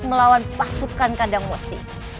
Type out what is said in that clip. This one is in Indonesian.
melawan pasukan kandang wesi